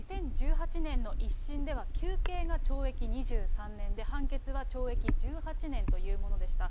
２０１８年の１審では求刑が懲役２３年で判決は懲役１８年というものでした。